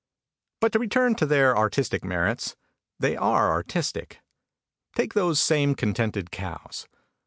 But to return to their artistic merits, they are artistic. Take those same "contented cows."